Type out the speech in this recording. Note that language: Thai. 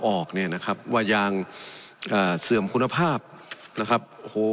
ออกเนี่ยนะครับว่ายางอ่าเสื่อมคุณภาพนะครับโอ้โห